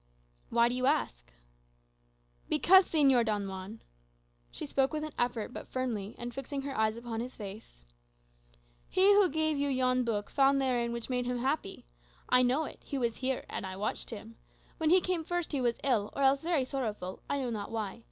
"Why do you ask?" "Because, Señor Don Juan" she spoke with an effort, but firmly, and fixing her eyes on his face "he who gave you yon book found therein that which made him happy. I know it; he was here, and I watched him. When he came first, he was ill, or else very sorrowful, I know not why.